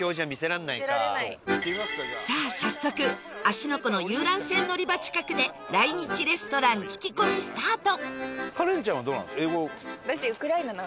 さあ、早速芦ノ湖の遊覧船乗り場近くで来日レストラン聞き込みスタート